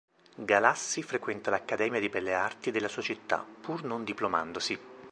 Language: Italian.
Galassi frequenta l'Accademia di Belle Arti della sua città, pur non diplomandosi.